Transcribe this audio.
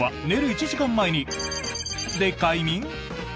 １時間前に○○で快眠？